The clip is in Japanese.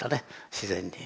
自然に。